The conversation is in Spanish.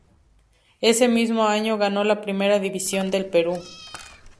Ese mismo año ganó la Primera División del Perú.